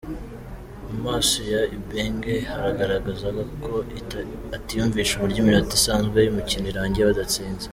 Mu maso ya Ibenge hagaragazaga ko atiyumvisha uburyo iminota isanzwe y'umukino irangiye badatsinze.